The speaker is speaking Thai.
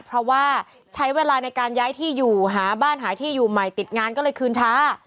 เพราะว่าใช้เวลาในการย้ายที่อยู่หาบ้านหาที่อยู่ใหม่ติดงานก็เลยคืนช้า